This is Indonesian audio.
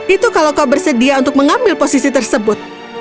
itu kalau kau bersedia untuk mengambil posisi tersebut